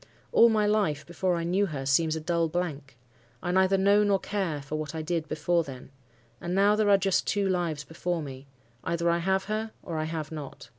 All my life, before I knew her, seems a dull blank. I neither know nor care for what I did before then. And now there are just two lives before me. Either I have her, or I have not.